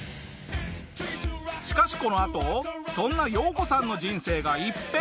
しかしこのあとそんなヨウコさんの人生が一変！